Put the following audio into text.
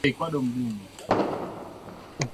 ethnografia au anthropolojia inaweza kuwa muhimu zaidi au